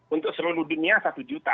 untuk seluruh dunia satu juta